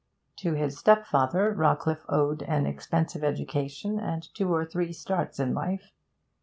To his stepfather Rawcliffe owed an expensive education and two or three starts in life.